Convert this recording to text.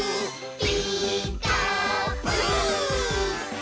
「ピーカーブ！」